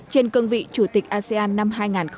trên cơn vị chủ tịch asean năm hai nghìn hai mươi một